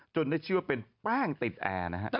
ได้ชื่อว่าเป็นแป้งติดแอร์นะฮะ